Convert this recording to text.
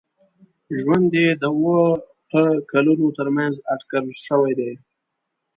ژوند یې د اوه ق کلونو تر منځ اټکل شوی دی.